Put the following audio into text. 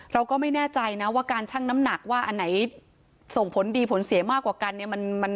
เราก็ไม่แน่ใจนะว่าการชั่งน้ำหนักว่าอันไหนส่งผลดีผลเสียมากกว่ากันเนี่ย